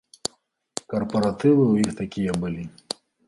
Карпаратывы ў іх такія былі.